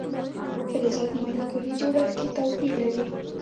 فلزات په مالیکولي جوړښت کې توپیر لري.